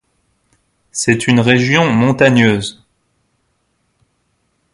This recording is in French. C'est une région montagneuse.